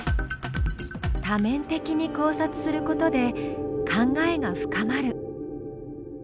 多面的に考察することで考えが深まる。